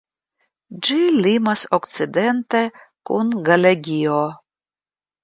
Ĝi limas okcidente kun Galegio.